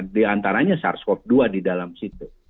di antaranya sars cov dua di dalam situ